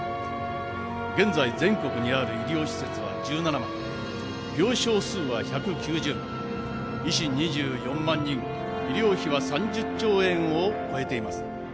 現在全国にある医療施設は１７万病床数は１９０万医師２４万人医療費は３０兆円を超えています